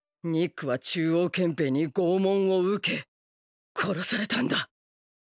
ニックは中央憲兵に拷問を受け殺されたんだ！